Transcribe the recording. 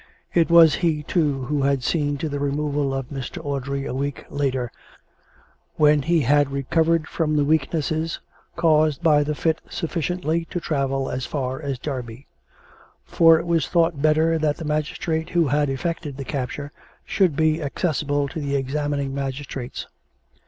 It was he, too, who had seen to the re moval of Mr. Audrey a week later, when he had recovered from the weakness caused by the fit sufficiently to travel as far as Derby; for it was thought better that the magis trate who had effected the capture should be accessible to the examining magistrates.